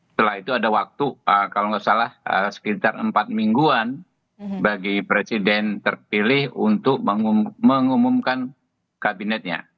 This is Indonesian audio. setelah itu ada waktu kalau nggak salah sekitar empat mingguan bagi presiden terpilih untuk mengumumkan kabinetnya